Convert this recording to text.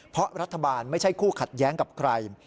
เพราะรัฐบาลไม่ใช่คู่ขัดแย้งกับใคร